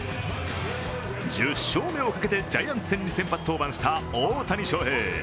１０勝目をかけてジャイアンツ戦に先発登板した大谷翔平。